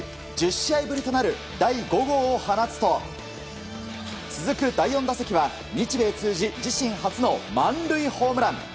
１０試合ぶりとなる第５号を放つと続く第４打席は日米通じ自身初の満塁ホームラン。